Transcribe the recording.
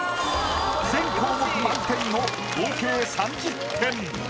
全項目満点の合計３０点。